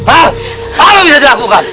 apa yang bisa dilakukan